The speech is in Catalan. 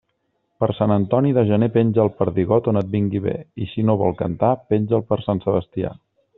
Per Sant Antoni de gener penja el perdigot on et vingui bé, i si no vol cantar, penja'l per Sant Sebastià.